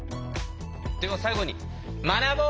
では最後に学ぼう！